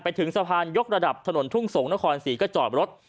ถึงสะพานยกระดับถนนทุ่งสงศนครศรีก็จอดรถ